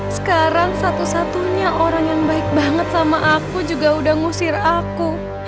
sekarang satu satunya orang yang baik banget sama aku juga udah ngusir aku